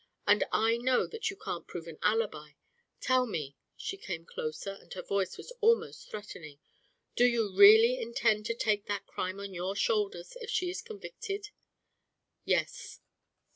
And I know that you can't prove an alibi. Tell me," she came closer and her voice was almost threatening, "do you really intend to take that crime on your shoulders if she is convicted." "Yes."